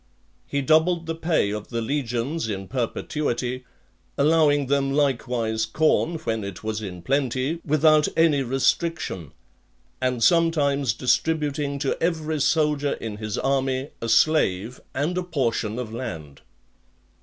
He doubled the pay of the legions in perpetuity; allowing them likewise corn, when it was in plenty, without any restriction; and sometimes distributing to every soldier in his army a slave, and a portion of land.